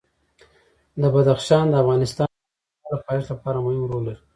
بدخشان د افغانستان د اوږدمهاله پایښت لپاره مهم رول لري.